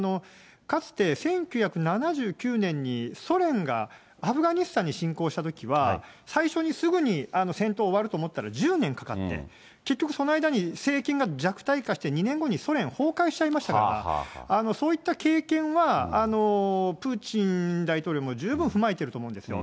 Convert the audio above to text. かつて１９７９年にソ連がアフガニスタンに侵攻したときは、最初にすぐに戦闘終わると思ったら、１０年かかって、結局、その間に政権が弱体化して、２年後にソ連崩壊しちゃいましたから、そういった経験は、プーチン大統領も十分踏まえていると思うんですよ。